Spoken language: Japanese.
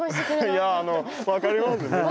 いやあの分かりますよ。